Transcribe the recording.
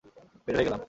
বের হয়ে গেলাম।